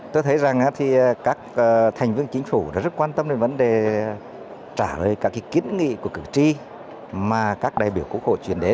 tôi thấy rằng các thành viên chính phủ đã rất quan tâm đến vấn đề trả lời các kiến nghị của cử tri mà các đại biểu quốc hội truyền đến